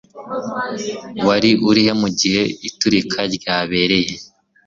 Wari urihe mugihe iturika ryabereye